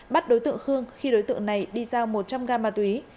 bắt đối tượng khương khi đối tượng này đi giao một trăm linh gam ma túy